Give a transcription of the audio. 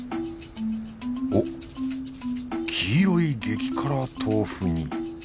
おっ黄色い激辛豆腐煮。